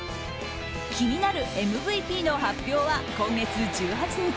気になるＭＶＰの発表は今月１８日。